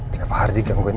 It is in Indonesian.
tiap hari diganggu ini